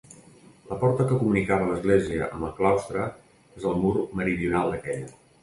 La porta que comunicava l'església amb el claustre és al mur meridional d'aquella.